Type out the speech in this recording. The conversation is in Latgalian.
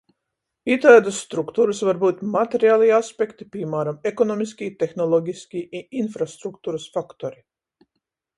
Itaidys strukturys var byut materialī aspekti, pīmāram, ekonomiskī, tehnologiskī i infrastrukturys faktori.